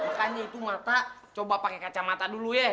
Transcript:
makanya itu mata coba pakai kacamata dulu ya